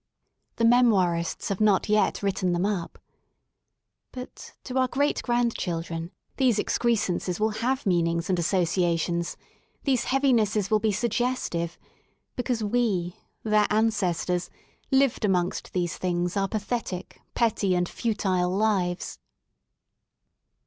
The Memoirists have not yet written them up. But to our greatgrandchildren these excrescences will have mean ings and associations, these heavinesses will be sug gestive> because we, their ancestors, lived amongst these things our pathetic, petty, and futile lives.